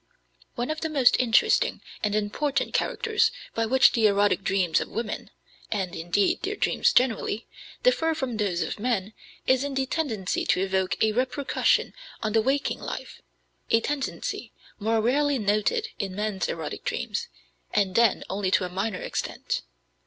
One of the most interesting and important characters by which the erotic dreams of women and, indeed, their dreams generally differ from those of men is in the tendency to evoke a repercussion on the waking life, a tendency more rarely noted in men's erotic dreams, and then only to a minor extent.